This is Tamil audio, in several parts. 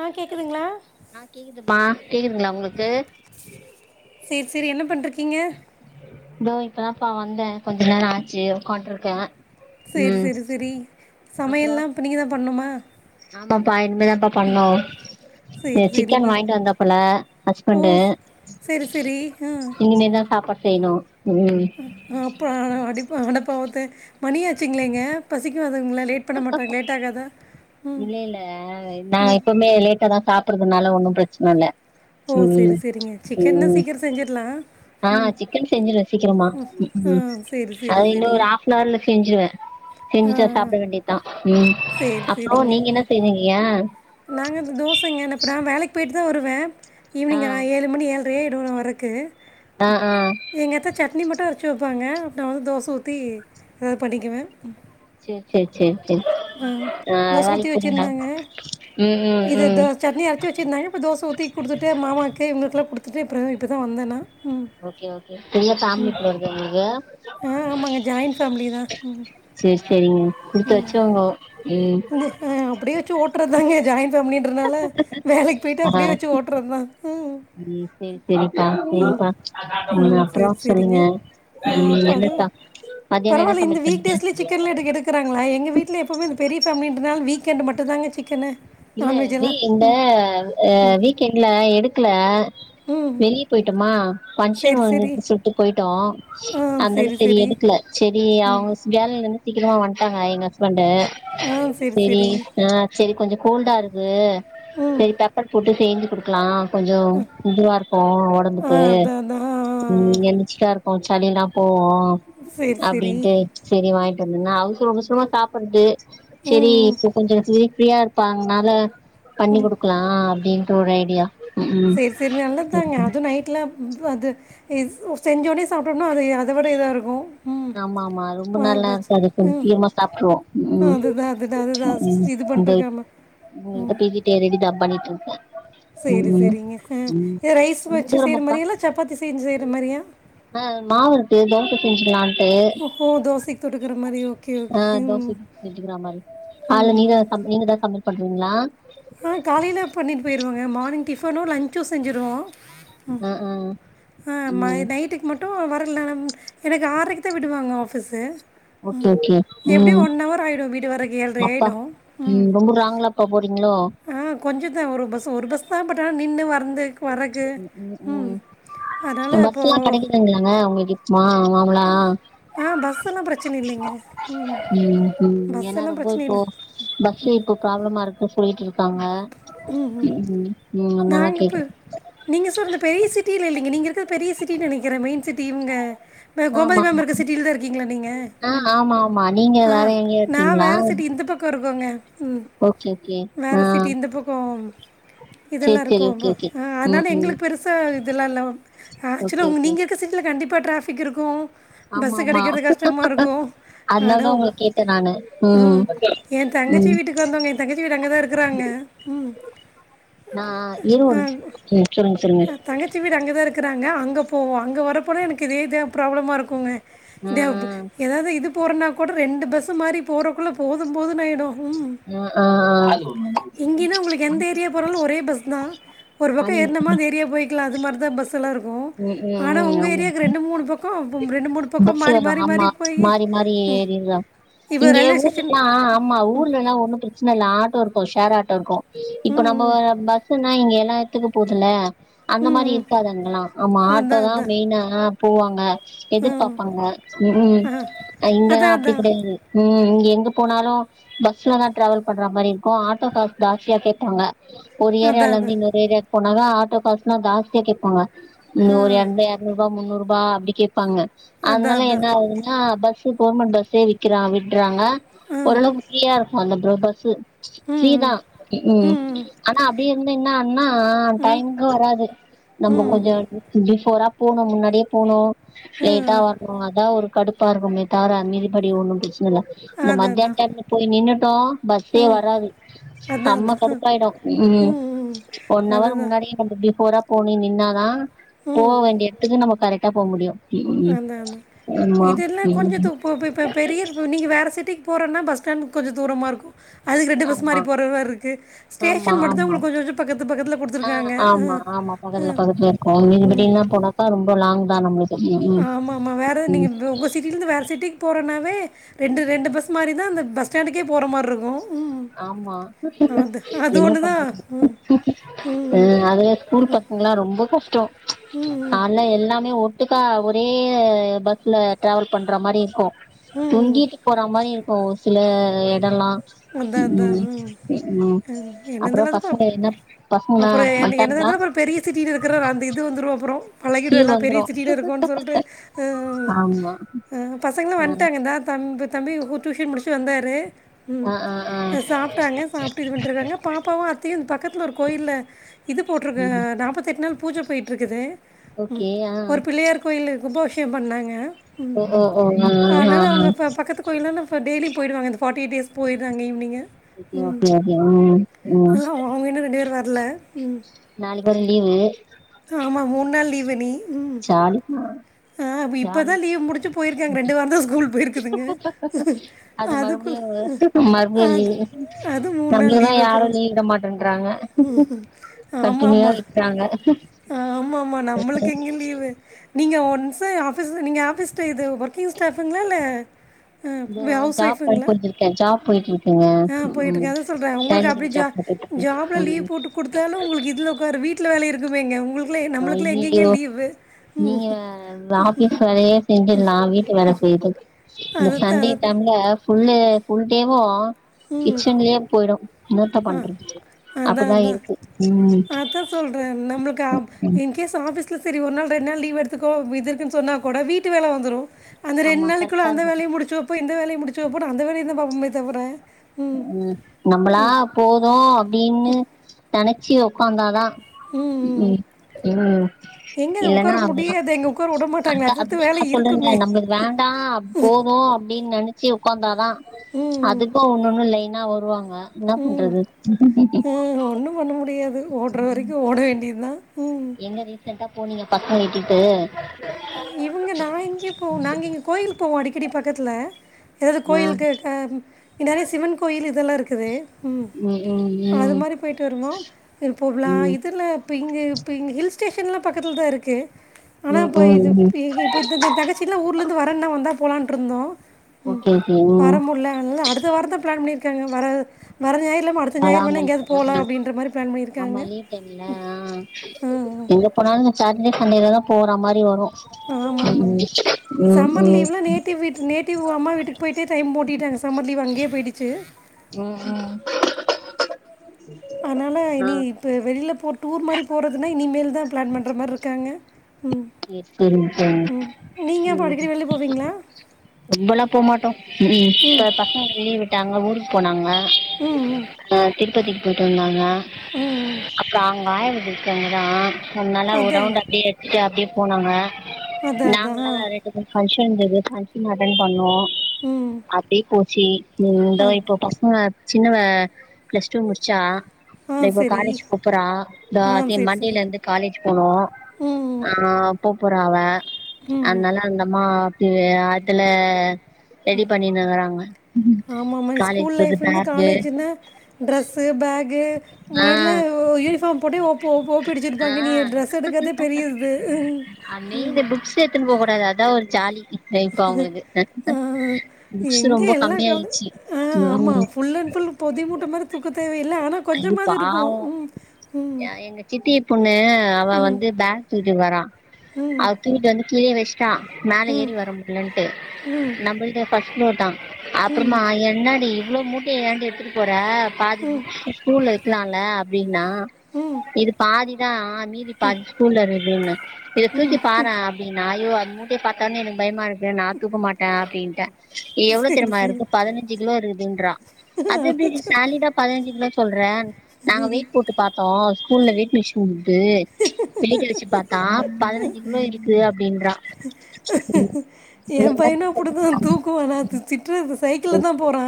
ஆ கேட்குதுங்களா ஆ கேக்குதுமா கேக்குதுங்களா உங்களுக்கு சேரி சேரி என்ன பண்ட்டு இருக்கீங்க தோ இப்பதாப்பா இப்ப வந்த கொஞ்ச நேர ஆச்சு உட்காண்டு இருக்க சேரி சரி சரி அப்றோ சமையல்லா இப்போ நீங்க தா பண்ணுமா ஆமாப்பா இனிமே தாப்பா பண்ணு சரி சிக்கன் சரிங்க வாங்கிட்டு வந்தாப்பல்ல ஓ ஹஸ்பண்டு சரி சரி ஆ இனிமேதா சாப்பாடு செய்யணு. ம் அப்ப அ அப்பற அடிபாங்க அட பாவத்த மணியாச்சுங்களேங்க பசிக்காதுங்களா லேட் பண்ண மாட்டாங்க லேட் ஆகாதா ம் இல்ல இல்ல நா எப்பவுமே லேட்டா தா சாப் அப்பறதுனால ஒன்னூ பிரச்சன இல்ல ஹூ செரி ம் செரிங்க சிக்கன்னா ம் சீக்கிரோ செஞ்சிட்லா ஆ சிக்கன் செஞ்சிருவே சீக்கிரமா ஆ சரி அத சரி இன்னு சரி ஒரு ஹாப்னவர்ல செஞ்சிருவே ஆ செஞ்சுட்டுா சாப்பிட வேண்டியதா சரி அப்புறோ நீங்க என்ன செய்ஞ்சீங்கீங்க நாங்க தோசைங்க [unintelligible] நா வேலைக் போயிட் தா வருவே ஆ ஈவினிங்க் ஆயி ஏழு மணி ஏல்ரயாயிடூ வரக்கு அ ஆஹ் எங்க அத்த சட்னி மட்டூ அரைச்சு வைப்பாங்க நா வந் தோச ஊத்தி நா பண்ட்டிக்குவெ ஏதாவது பண்ணிக்குவேன் செர் செர் செர் செர் ஆ அ தோசை வேலக்கி ஊற்றி போறீங்களா வச்சுருந்தாங்க ம் ம் இது ம் தோ சட்னி அரைச்சி வெச்சிருந்தாங்க இப்ப தோச ஊத்தி குடுத்துட்டு மாமாவுக்கு இவங்களுக்குல்லா குடுத்துட்டு அப்பறோ இப்ப தா வந்தே நா ஓக்கே ஓக்கே பெரிய ஃபேமிலி போல இருக்குதெ ஆ உங்களுக்கு ஆமாங்க ஜாயின்ட் ஃபேமிலி தான் ம் சேர் சேரிங்க குடுத்து வச்சுவங்க ம் நெ அஹ் அப்படியே வெச்சு ஓட்ற்தாங்க ஜாயின் ஃபேமிலி ன்றனால வேலைக்கு போயிட்டு ஆ அப்படியே வச்சு ஓட்டுறத் தா ம் சரி சரிப்பா சரிப்பா உம் ம் அப்புறோ சரி சரிங்க சொல்லுங்க ஆ, ம் அப்போ அது என்னத்தா மதியானோ என்ன பரவாயில்ல இந்த சமையல் வீக் பண்ணீங்க டேஸ்லே சிக்கன் லா எடுக் கிறாங்களா எங்க வீட்டுல எப்பவுமே பெரிய ஃபேமிலி ன்றதுனால வீக்கெண்ட்டு மட்டூ தாங்க சிக்கனு இல்ல நான்வெஜ் நீ எல்லாம் இந்த ம் அ வீக்கெண்ட்ல எடுக்கல ம் வெளியே போயிட்டோமா பங்கஷன் சரி வந்து சரி சுட்டு போயிட்டோ அந்தாலுக் சரி எடுக்கல சரி ம் அவங்க வேலைல இருந்து சீக்கிரமா வந்ட்டாங்க எங்க ஹஸ்பண்ட் சரி ஆ சரி கொஞ்சொ கோல்டா இருக்கூ ம் சரி பெப்பர் போட்டு செய்ஞ்சு குடுக்கலா கொஞ்சொ இதுவா இருக்கூ ஆ ஒடம்புக்கு அதான் அதான் ஆ ஆ ஆ. ம் எனர்ச்சிக்கா இருக்கோ சளில்லா போவோ சரி சரி அப்டின்ட்டு சரி வாங்கிட்டு வந்துருந்தே அவ்சரோ அவ்சரமா சாப்பிட்றது சரி ம் ம் இப்ப கொஞ்சொ ஃப்ரீ ஃப்ரீயா இருக் ப்பனால பண்ணி கொடுக்கலாம் அப்படின்ற ஒரு ஐடியா ம் செரி செரி நல்லத்தாங்க ம் அதுவூ நைட்ல ப் அது இஸ் செஞ்சோனே சாப்பிட்டோம்னா அது அத விட இதா இருக்கோ ஆமாம்மா ரொம்ப நல்லா இருக்கூ இது கொஞ்சொ சீக்கிரமா சாப்டுருவோ ம் தா அதூதா இது பண்ணுட்ருக்காம உ உங்க கிட்ட போசிட்டே ரெடி தா பண்ணிட் இருந்தே செரி சரிங்க இஹ் இத ரைஸ் ரொம்ப வெச்சு செய்யற தூரமாப்பா மாரியா இல்ல சப்பாத்தி செஞ்சு செய்யற மாரியா ஆஹ் மாவுருக்கு தோச செஞ்சுக்கலாண்ட் ட்டு ஓஹோ தோசைக்கு தொட்டுக்கிற மாதிரி ஓகே ஓகே ஆஹ் தோசெ ம் இட்லி செஞ்சுக்கிறாமேரி ஆளு நீ ம் தான் நீங்கதான் சமையல் பண்றீங்களா ஆ காலையிலே பண்ணிட்டு போயிடுவோங்க மார்னிங் டிஃபனோ லஞ்சோ செஞ்சுடுவோ ம் ஆ ஆ ஆ மை ம் நைட்டுக்கு மட் ஓ வர்லா எனக்கு ஆரைக்கூ தா விடுவாங்க ஆஃபீசூ ஓகே ம் ஓகே எப்படி ம் ஒன் ஹவர் ஆயிடோ வீடு வரைக்கு ஏல்றாயிடும் ம் வுர்ராங்களாப் இப்ப போறீங்களோ ஆ கொஞ்சோ தா ஒரு பஸ் ஒரு பஸ் தா பட ஆனா நின்னு வந்து வரக் ம் ம் பஸ்ல்லா அப்போது கெடைக்குதாங்களாங்க உங்களுக்கு இப்ப மா மாமுலா ஆ பஸ் எல்லாம் பிரச்சனை இல்லைங்க ம் ம் பஸ் ஏன்னா எல்லாம் ரொம்ப பிரச்சனை இப்போ இல்லை பஸ் இப்போ ப்ராபளமா இருக்கு சொல்லிட்டு இருக்காங்க ம் நல்லா கேக்கு நீங்க சார் இந்த பெரிய சிட்டியில இல்லீங்க நீங்க இருக்க பெரிய சிட்டின்னு நெனைக்கிறேன் மெயின் சிட்டி இவுங்க ம்ப ஆமா கோமதி மேம் ஆமா இருக்க சிட்டியில தா இருக்கீங்களா நீங்க ஆ ம் ஆமா ஆமா நீங்க ஆ வேற எங்கயோ நா இருக்கீங்களா வேற சிட்டி இந்த பக் கம் இருக்கோங்க ம் ஓகே ஓகே வேற ஆ சிட்டி இந்த பக்கோம் இதெல்லா சேரி சேரி இருக்கோம்போ ஓகே ஓகே ஆ அதனால ம் ம் எங்களுக்கு பெரு சா இதெல்லா இல்லாம ஓகே ஆக்சுவலா உங்க ஓகே நீங்க இருக்க சிட்டில கண்டிப்பா ட்ராஃபிக் இருக்கும் ஆமா பஸ் ஆமா கெடைக்கறது கஷ்டமா இருக்கும் அதனாலதா அடவும் உங்கள கேட்டே நானு ஆ ம் என் தங்கச்சி ம் வீட்டுக்கு வந்தோங்க என் தங்கச்சி வீடு அங்க தா இருக்கறாங்க ம் நா ஈரோடு ம் ம் சொல்லுங்க சொல்லுங்க தங்கச்சி வீடு அங்க தா இருக்கறாங்கே அங்க போவோ அங்க வரப்போலா எனக்கு இதே இதா ப்ராப்ளமா இருக்கோங்க ஆ தியாபு எதாவது இது போறனா கூட ரெண்டு பஸ்ஸு மாரி போறக்குள்ள போதும் போதுனு ஆயிடும் ஆ ஆ ஆ இங்கேன்னா உங்களுக்கு எந்த ஏரியா போனாலும் ஒரே பஸ் தா ஒரு பக்கம் ஏறனமா ராணிமணி அந்த ஏரியா போய்க்கல அது மாரிதா பஸ் எல்லா இருக்கும் ஆனா உங்க ஏரியாக்கு ரெண்டு மூணு பக் பஸ்ஸு வரும் ஆமா போய் மாறி மாறி ம் ஏறின் இப்போ இங்கே ரயில்வே ஸ்டேஷன் ஊர்லல்லா ஆமா ஊர்லல்லா ஒண்ணு பிரச்சன இல்ல ஆட்டோ இருக்கும் ஷேர் ஆட்டோ இருக்கும் இப்ப ம் நம்ம ம் பஸ்ன்னா இங்க எல்லா எத்துக்கு போவுதில்ல அந்த ம் மாரி ம். இருக்காதங்கல்லாம் ஆமா அதான் ஆட்டோதான் அதான் மெயினா போவாங்க ம் எதிர்பாப்பாங்க ம் ஆ இங்கல்லா அதான் அப்டி கெடையாது ம் இங்க எங்க போனாலும் பஸ்லதா ட்ராவல் பண்ற மாரி இருக்கும் ஆட்டோ காஸ் ஜாஸ்தியா கேப்பாங்க ஒரு அதான் அதான் ஏரியாலந்து அதான் இன்னொரு ஏரியாக்கு போனாவே ஆட்டோ காஸ்லா ஜாஸ்தியா கேப்பாங்க இங்க ஆ ஒரு எந்த எறநூறுபா முன்னூறுரூபா அப்டி கேப்பாங்க அதான் அதனால என்ன அதான் ஆகுதுன்னா பஸ் கு கவுர்மெண்ட் பஸ்ஸே விக்கிறா விடறாங்க ஆ ஓரளவு ஃப்ரீயா இருக்கும் அந்த ப்ரோ பஸ்ஸு ம் ஃபீரிதா ம் ம் ஆனா அப்டி இருந்தே என்னா ஆகுன்னா ம் டைமுக்கு வராது நம்ப ம் கொஞ்சம் பிஃபோரா போணும் முன்னாடியே போணும் லேட்டா ம் வ ம் அதா ஒரு கடுப்பா இருக்குமே தவர மீதி படி ஒண்ணும் பிரச்சன இல்ல இந்த அதான் மத்தியான் அதான் டைம்ல போயி நின்னுட்டோம் பஸ்ஸே ம் வராது அதான் சம்மா அதான் கடுப்பாயிடும் ம் ஒன் அவர் அதுதான் முன்னாடே கொஞ்சோ பிஃபோரா போனி நின்னாதா போ ம் வேண்டிய எடத்துக்கு நம்ம கரெட்டா போ முடியும் அதா அதா இதுல்லா ம் கொஞ்ச தூ போப்ப இப்ப பெரியரிவு நீங்க வேற சிட்டிக்கு போறன்னா பஸ் ஸ்டாண்ட்க்கு கொஞ்சம் தூரமா இருக்கும் அதுக்கு ரண்டு பஸ் மாரி ஆமா போற மாரி இருக்கு ஆமா ஸ்டேஷன் மட்டுதா ஆமா உங்களுக்கு கொஞ்ச கொஞ்ச பக்கத்து பக்கத்துல குடுத்துருக்காங்க பகல்ல பக்கத்துல இருக்கும் நீங்க இப்டின்னா போனாக்கா ரொம்ப லாங்தா நம்மளுக் ஆமா ஆமா வேற நீங்க உங்க சிட்டிலருந்து வேற சிட்டி போறனாவே ரெண்டு ரெண்டு பஸ் மாரி தா அந்த பஸ் ஸ்டாண்டுக்கே போற மாரி இருக்கும் ம் ஆமா அது அது என்ன ஒன்று தான் பண்றது ம் ம் அதுல ஸ்கூல் பசங்கலா ரொம்ப கஷ்டம் ம் நாலா எல்லாமே ஒட்டுக்கா ஒரே பஸ்ல டிராவல் பண்ற மாரி இருக்கும் ம் ம் தொங்கிட்டு போற மாரி இருக்கும் ஒரு சில எடல்லா அதான் ம் அதான் ம் என்னது அப்றோம் அது பசங்க பாப் என்ன பசங்கல்லா வன்ட்டாங்ளா சிட்டினு இருக்கற அந்த இது வந்துரு அப்புறோ பழகிடு ஃபீல் எல்லாம் பெரிய வந்துரு சிட்டில இருக்கோன்னு சொல்ட்டு ம் ஆமா ஆ பசங்களா ஆ வன்ட்டாங்க இந்தா தம்பி தம்பி கு டூஷன் முடிச்சி வந்தாரு ம் ஆ ஆ ஆ சாப்ட்டாங்க சாப் ட்டு இது பண்ட்ருக்காங்க பாப்பாவு அத்தையு பக்கத்துல ஒரு கோயில இது போட்ருக்க ம் நாப்பத்தெட்டு நாள் பூஜ போய்ட்ருக்குது ஓகே ஆ ஒரு பிள்ளையார் கோயிலு கும்பாவிஷே பண்ணாங்க ம் ஓ ஓ ஓ ஆ ஆ அனால ஆ அவங்க பக்கத்து கோயிலான ப டெய்லி போய்டுவாங்க இந்த ஃபாட்டியேட் டேஸ் போய்ட்ராங்க ஈவினிங்கு ஓகே ம் ஓகே ஓகே ம் ம் இல்ல அவுங்க இன்னு ரெண்டு பேர் வர்ல ம் நாலு பேரு லீவு ஆமா மூணு நாள் லீவு இனி ம் அடிப்ப அ இப்பதா லீவு முடிஞ்சு போய்ருக்காங்க ரெண்டு வாரந்தா ஸ்கூல் போய்ருக்குதுங்க அது மறுபடியு மறுபடியு லீவு அது மூணு நம்மளதா யாரு லீவு விட மாட்டேறாங்க ஆமா ஆமா ஆமா ஆமா நம்மளுக் எங்க லீவு நீங்க ஒன்ஸு ஆஃபீஸ் நீங்க ஆஃபீஸ்ட் இது ஒர்க்கிங் ஸ்டாஃபுங்ளா இல்ல இது அ அவுஸ் ஜாப் போய் ஒய்ஃபுங்ளா போயிட்ருக்கே ஜாப் போய்ட் அ போய்ட்ருக்க அதா சொல்றே உங்ளுக் அப்டி ஜா ஜாப் போயிட்ருக்கே ஜாப்ல லீவு ம் போட்டு குடுத்தாலு உங்ளுக்கு இதுல உக்காரு வீட் ல வேல இருக்குமேங்க உங்ளுக்ளா நம்ளுக்குளா எங்கங்க ஐயையோ லீவு ம் நீங்க இந்த ஆஃபீஸ் வேலையே செஞ்சிடலா வீட்டு வேல செய்றதுக்கு இந்த அதுதான் சண்டே அது டம் த ஃபுல்லு ஃபுல்டேவு ம் கிச்சன்லியே போய்டு என்னத்த பண்றது அதா அப்டிதா அதா இருக்கு ம் அதா சொல்ற நம்மளுக்கு அப் இந் கேஸ் ஆஃபீஸ்ல சரி ஒர் நாள் ரெண் நாள் லீவ் எடுத்துக்கோ இது இருக்குன் சொன்னா கூட வீட்டு வேல வந்துரு அந்த ரெண் ஆமா நாளைக்குள்ள கரெக்டா அந்த இருக்கு வேலையு முடிச்சு வெப்போ இந்த வேலையையு முடிச்சு வெப்போ அந்த வேலைய தா பாப்போமே தவர ம் நம்பளா போது அப்டின்னு நனைச்சு ஒக்காந்தாதா ம் ம் எங்கே இல்லன்னா உட்கார முடியாது எங்கே உட்கார விட மாட்டாங்களே அத அடுத்தடுத்து அதா நா வேலை சொல்றேன்ல இருக்குமே நம்பளுக் வேண்டா போது அப்டின் நனச்சு உக்காந்தாதா ம் ம் அதுக்கு ஒன்னொண்ணு லைனா வருவாங்க என்னா ம் பண்றது ம் ஒன்றும் பண்ண முடியாது ஓட்ற வரைக்கு ஓட வேண்டி தா எங்க ரீசெண்ட்டா போனீங்க பசங்கள இட்டுட்டு இவங்க நா எங்க போ நாங்க இங்க கோயிலுக்கு போவோ அடிக்கடி பக்கத்துல ஏதாவது ஆ கோயிலுக்கு அ இங் நறைய சிவன் கோயில் இதெல்லா இருக்குது ம் ம் அது ம் மாரி போயிட்டு வருவோ இப்போ வ்லா ம் இதுல ப்ப இங்க ப்ப இங் ஹில்ஸ்டேஷன்லா பக்கத்துல் தா இருக்கு ஆனா ம் இப்ப இது ம் ம் இது இப்ப த த த தங்கச்சில்லா ஊர்ல இந்து வரன்னா வந்தா போலான்ட்ருந்தோ ம் ஓகே ஓகே வர ம் முடில அதனால அடுத்த வாரோ தா பிளான் பண்ணிருக்காங்க வர வர ஞாயிறு இல்லாம அடுத்த ஞாயிறு வேணா எங்கயாது வராங்கன்ட்டு போலா ஆ அப்படின்ற மாரி பிளான் ஆமா பண்ணியிருக்காங்க லீவ் போனால இந்த சேட்டர்டே சன்டே ல தான் போகிற மாதிரி வரும் ஆமாமா சம்மர் ம் லீவ்லா நேட்டிவ்வீட்டு நே [unintelligible] அம்மா வீட்டுக்கு போயிட்டே டைம் ஓட்டிட்ட சம்மர் லீவ் அங்கே போயிருச்சு ப்றோ அனால இனி ப்ப வெளியில போர் டூர் மாரி போறதுனா இனிமேல் தா பிளான் பண்ற மார் இருக்காங்க ம் சேரி சேரிங்க தோழி ம் நீங்க அப்போ அடிக்கடி வெல்ல போவீங்களா கும்பல்லா போமாட்டோ ம் ம் இப்ப பசங்களுக்கு லீவு விட்டாங்க ஊருக்கு போனாங்க ம் ம் அ திருப்பதிக்கு போய்ட்டு வந்தாங்க ம் ம் அப்றோ அவங்க ஆயா இருக்காங்கதா அதனால ஒரு அதான் ரவுண்ட அப்டியே எடுத்து அப்டியே போனாங்க அதான் அதான் நாங்களா ஆ ஃபங்க்ஷன் இருந்தது ஃபங்க்ஷன் அட்டன் பண்ணோ ம் அப்டியே போச்சு ம் இந்த அத் இப்போ பசங்க சின்னவ பிளஸ் டூ முடிச்சா ஆ இதோ இப்ப சரி காலேஜ் போபோறா ஆ இதோ சரி சரி மண்டையில இருந்து காலேஜ் போனு ம் ஆ போபோறா அவ ம் ம் அதனால அந்தமா அதுல ரெடி பண்ணிங்கறாங்க ஆமாம்மா காலேஜ் போறதுக்கு பேக்கு டிரெஸ்ஸு பேகு ஆ முன்னாடில யூனிஃபார்ம் போட்டே ஒப் ஒப்பிடுச்சிருப்பாங்க நீ டிரரெஸ் எடுக்கறதே பெரிய‌ இது அ நீங்க இட்டுனு போக கூடாது அதா ஒரு ஜாலி இப்ப அவங்களுக்கு அ புக்ஸூ எங்கே ரொம்ப எல்லா கம்மிய கால ஆயிடுச்சு ஆ ஆமாம் ஃபுல் அண்ட் ஃபுல் பொதி மூட்ட மாதிரி தூக்க தேவையில்ல ஆனா கொஞ்சமாது இருக்கு ம் ம் எ எங்க சித்தி பொண்ணு அவ வந்து பேக் தூக்ட்டு வரா அ தூக்கிட் வந்து கீழே வெஸ்ட்டா மேல ஏறி வர முடிலன்ட்டு நம்மள்து ஃபஸ்ட் ஃப்ளோர் தா அப்றோமா என்னாடி இவ்ளோ மூட்டைய ஏண்டி எத்துட்டு போற பாதி ஸ்கூல்ல வக்கலாம்ல அப்டினா ம் இது பாதிதா மீதி பாதி ஸ்கூல்ல இருகுதுனு இத தூக்கி பாறா அப்டினா அய்யோ அது மூட்டைய பத்தோனே எனக் பயமாயிருக்கு நா தூக்கமாட்டே அப்டின்ட்ட எவ்ளோ சரி தெரிமா சரி இருக்கு பதினஞ்சு கிலோ இருக்குதுன்றா அது எப்டி டி சாலிடா பதினஞ்சு கிலோ சொல்றே நாங்க வெயிட் போட்டு பாத்தோ ஸ்கூல்ல வெயிட் மிஷி ன் இருக்கு பிள்ளைங்க வச்சு பாத்தா பதினஞ்சு கிலோ இருக்கு அப்டின்றா ஏ என்னத்த பையனு அப்டிதா சொல்றது நானு தூக்குவானா நா திட்றது சைக்கிள தா போறா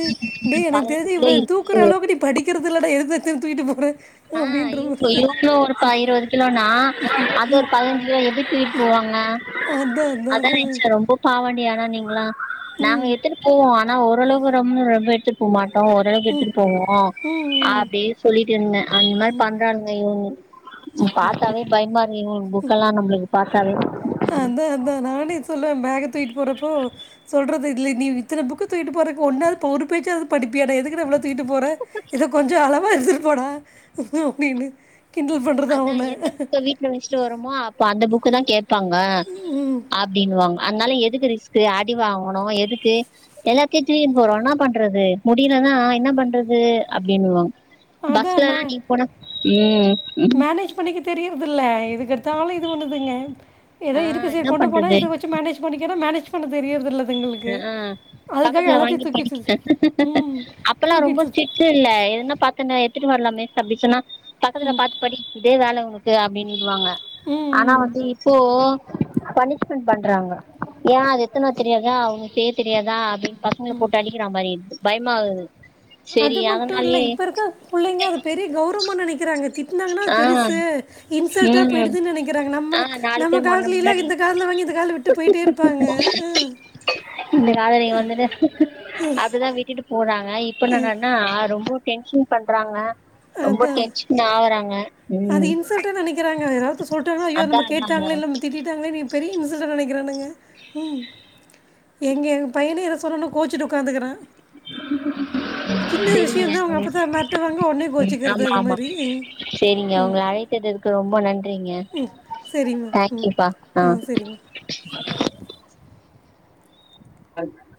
ம் டேய் எனக்கு பதினஞ்சு தெரிஞ்சு கிலோ இவ்வளோ நீ தூக்குற இருக்கு அளவுக்கு நீ படிக்கறது இல்லடா எதுக்குடா தூக்கிட்டு போற ஆ இவளோ ஒரு இருவது கிலோனா அது ஒரு பதினஞ்சு எப்டி தூக்கிட்டு போவாங்க அதான் அத அதான் நெச்சா ரொம்ப பாவண்டி ஆனா நீங்களா நாங்க எத்துட்டு போவோ ஆனா ஓரளவுக்கு ரொம்ப ரொம்ப எடுத்துட்டு போக மாட்டோ கடுத்துட்டு போவோ ம் அப்படியே சொல்லிட்டு இருந்தே அந்த மாரி பண்றாங்க இவ பாத்தாவே பயமா இருக்கு இவ புக்கெல்லாம் நம்மளுக்கு பாத்தாவே அதா அதா நானே சொல்லுவே பேக தூயிட்டு போறப்போ சொல்றது இல்லை நீ இத்தன புக்கு தூக்கிட்டு போறக்கு ஒன்னாவது பொறு பேச்சாவது படிப்பியாட எதுக்கு டா இவ்ளோ தூக்கிட்டு போறே இத கொஞ்சோ அளவா எடுதுடு போடா அப்டின்னு கிண்டல் பண்றது அவன [unintelligible] வருமோ அப்ப அந்த புக்க தா கேப்பாங்க அப்படின்னுவாங் அதனால எதுகு ரிஸ் அடி வாங்கனு எதுக்கு எல்லாத்தையு தூக்கிட்டு போறோ என பண்றது முடியலதா என்ன பண்றது அப்படின்னுவோ பஸ்ல அதான்மா எல்லா நீ போன ம் மேனேஜ் பண்ணிக்க தெரியர்து இல்ல எதுக்கெடுத்தாலு இது பண்ணுதுங்க எதோ ஆ இருக்குது என்ன கொண்டு போனா பண்றது இத வச்சு மேனேஜ் பண்ணிக்கரே மேனேஜ் பண்ண தெரியரிதில்ல ஆ பக்கத்துல வாங்கி தூக்கிடுச்சு படிக்கிட்ட ம் அப்பல்லா ரொம்ப தூக்கிடுச்சு ஸ்ட் இல்ல எதுனா பாத்தேன்ன எத்துட்டு வரலாம் மேஸ் அப்டின்னு சொன்னா பக்கத்துல பாத் படி இதே வேல ஒ இரு அப்டின்னுடுவாங்க ம் ஆனா ம் வந்து இப்போ பனிஷ்மென்ட் பண்றாங்க ஏ அது எத்துனு வர தெரியாதா அவுங்க செய் தெரியாதா அப்டின்னு பா பசங்கல போட்டு அடிக்கிற மாரி மாரி பயமா ஆகுது அது மட்டு இல்ல இப்ப இருக்க புள்ளைங்க அது பெரிய கௌரவமா நெனைக்கிறாங்க தி திட்டுனாங்கன்னா ஆ பெருசு இன்சல்டா ம் போயிடுதுன்னு நெனைக்கிறாங்க ஆ நம்மல்க் நாலு நம்ம பேர் முன்ன காலதுல்லேல முன்னாடி இந்த காதுல வாங்கி இந்த காதுல விட்டு விட்டு போயிட்டே இருப்பாங்க உ இந்த காதலிங் வந்துட்டு அப்டிதா விட்டுட்டு போறாங்க இப்பன்னன்னா ரொம்போ டென்ஷன் பண்றாங்க ரொம்போ அதான் டென்ஷன் ஆகுறாங் அது இன்சல்ட்டா நனைக்கிறாங்க யாராவ்து சொல்ட்டாங்கனா ஐயோ அதா நம்ம அதாங்க கேட்டாங்கள இல்ல திட்டிட்டாங்கலேன்னேன் என்னைய பெரிய இன்சல்ட்டா நெனைக்கிறானுங்க ம் எங்க எங்க பையனே எதா சொன்னானா கோச்சுட்டு உக்காந்துக்கறா [inaudible] சேரிங்க விஷயம் தான் அவங்க அப்போ தான் [inaudible] மிரட்டுவாங்க உடனே ம் கோச்சிக்கிறது ஆமா அது ஆமா மாதிரி ம் சேரிங்க உங்க அழ பேசதுக்கு ரொம்ப நன்றிங்க ம் சரிம்மா ம் தேங்க்யூப்பா ஆ [unintelligible]